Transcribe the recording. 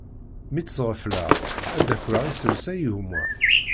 Mi tt-sɣefleɣ ad d-akreɣ iselsa i gma.